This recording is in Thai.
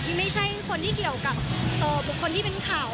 ไม่ใช่คนที่เกี่ยวกับบุคคลที่เป็นข่าว